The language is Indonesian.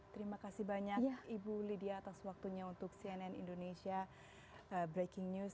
terima kasih banyak ibu lydia atas waktunya untuk cnn indonesia breaking news